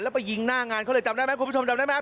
แล้วไปยิงหน้างานเขาเลยจำได้ไหมคุณผู้ชมจำได้ไหม